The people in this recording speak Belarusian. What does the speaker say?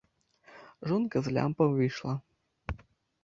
Жонка з лямпай выйшла.